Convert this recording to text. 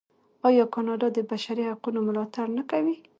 آیا کاناډا د بشري حقونو ملاتړ نه کوي؟